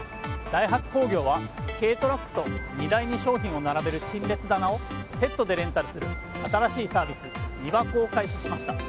ダイハツ工業は軽トラックと荷台に商品を並べる陳列棚をセットでレンタルする新しいサービスＮｉｂａｋｏを開始しました。